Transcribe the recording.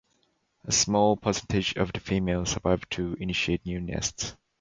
A small percentage of the females survive to initiate new nests.